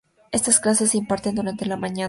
Estas clases se imparten durante la mañana.